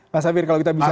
mas safir kalau kita bisa